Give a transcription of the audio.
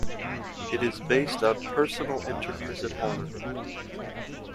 It is based on personal interviews at home.